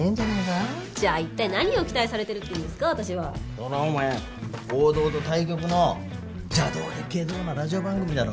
そりゃお前王道と対極の邪道で外道なラジオ番組だろ。